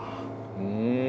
うん。